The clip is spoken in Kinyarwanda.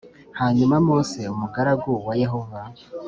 hanyuma mose umugaragu wa yehova+